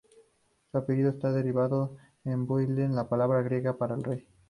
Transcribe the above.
Su apellido está derivado de "basileus", la palabra griega para "rey".